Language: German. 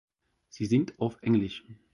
Sie singt auf Englisch.